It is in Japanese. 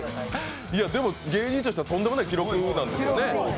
芸人としては、とんでもない記録なんですよね？